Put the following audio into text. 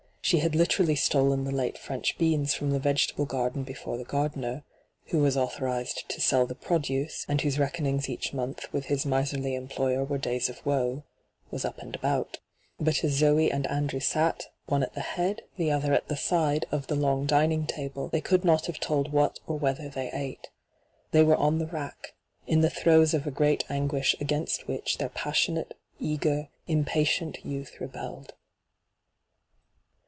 She had literally stolen the late French beans from the v^etable garden before the gardener — who was authorized to sell the produce, and whose reckonings each month with his miserly employer were days of woe — was up and about But as Zoe and Andrew sat, one at the head, the other at the aide, of the long dining table, they could not have told what or whether they ate. They were on the rack — in the throes of a great anguish against which their passionate, eager, impatient youth rebelled.